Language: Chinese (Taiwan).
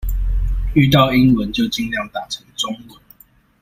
遇到英文就儘量打成中文